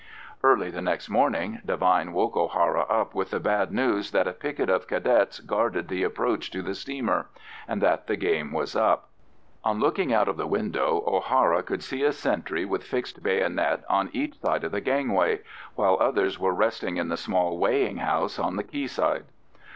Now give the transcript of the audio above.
Early the next morning Devine woke O'Hara up with the bad news that a picket of Cadets guarded the approach to the steamer, and that the game was up. On looking out of the window O'Hara could see a sentry with fixed bayonet on each side of the gangway, while others were resting in the small weighing house on the quay side.